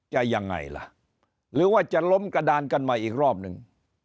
หรือว่าจะล้มกระดานกันมาอีกรอบหนึ่ง